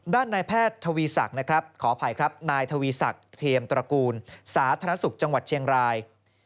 ด้านนายแพทย์ทวีศักดิ์นะครับขออภัยครับนายทวีศักดิ์เทียมตระกูลสาธารณสุขจังหวัดเชียงราย